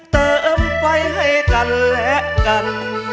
เติมไฟให้กันและกัน